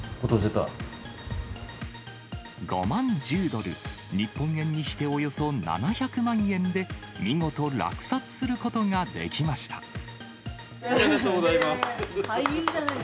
５万１０ドル、日本円にしておよそ７００万円で、見事、おめでとうございます。